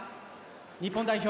日本代表